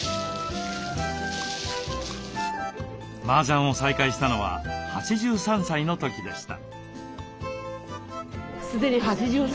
麻雀を再開したのは８３歳の時でした。